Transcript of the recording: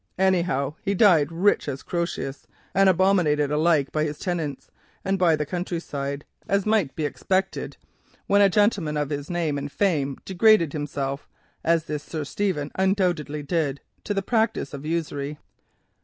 Anyhow, he died rich as Croesus, and abominated alike by his tenants and by the country side, as might be expected when a gentleman of his race and fame degraded himself, as this Sir Stephen undoubtedly did, to the practice of usury.